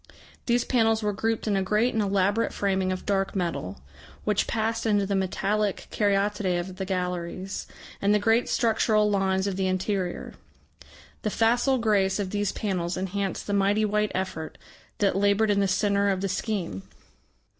These panels were grouped in a great and elaborate framing of dark metal, which passed into the metallic caryatidae of the galleries, and the great structural lines of the interior. The facile grace of these panels enhanced the mighty white effort that laboured in the centre of the scheme.